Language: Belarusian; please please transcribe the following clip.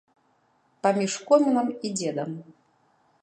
Паміж комінам і дзедам.